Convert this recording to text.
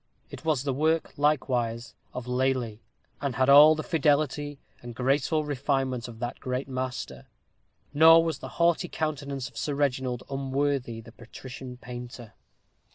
It was the work likewise of Lely, and had all the fidelity and graceful refinement of that great master; nor was the haughty countenance of Sir Reginald unworthy the patrician painter.